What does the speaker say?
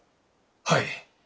はい。